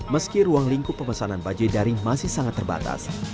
meski ruang lingkup pemesanan bajaj daring masih sangat terbatas